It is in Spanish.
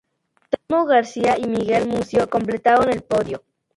Telmo García y Miguel Mucio completaron el podio.